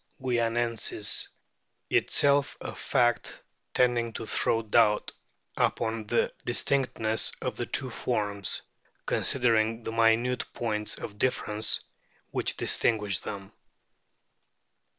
guianensis, itself a fact tending to throw doubt upon the distinctness of the two forms, considering the minute points of difference which distinguish them.